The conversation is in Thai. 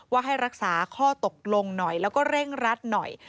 ให้รักษาข้อตกลงหน่อยแล้วก็เร่งรัดหน่อย